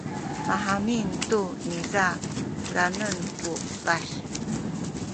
mahamin tu niza kanen ku epah.